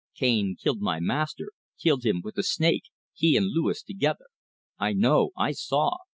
Cane killed my master killed him with the snake he and Luis together. I know I saw.